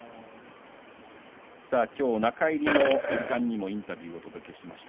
今日、中入りの時間にもインタビューをお届けしました